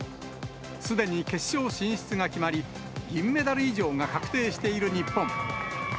すでに決勝進出が決まり、銀メダル以上が確定している日本。